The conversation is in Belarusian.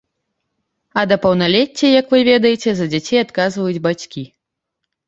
А да паўналецця, як вы ведаеце, за дзяцей адказваюць бацькі.